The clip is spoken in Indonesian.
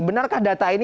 benarkah data ini